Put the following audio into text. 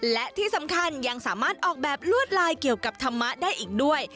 และที่สำคัญยังสามารถออกแบบลวดลายเกี่ยวกับธรรมะได้อีกด้วย